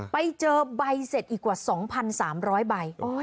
ไปเจอใบเสร็จอีกกว่า๒๓๐๐ใบ